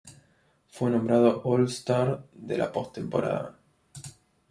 Fue nombrado All-Star de la pos-temporada.